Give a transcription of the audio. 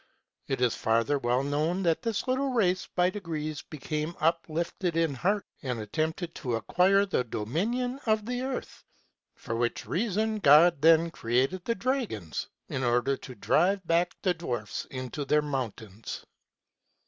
It is further well known, that this little race by degrees became uplifted in heart, and attempted to acquire the dominion of the earth ; for which reason God then created the dragons, in order to drive back the dwarfs into their mountains.